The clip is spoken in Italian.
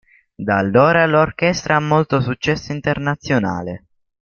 Da allora, l'orchestra ha molto successo internazionale.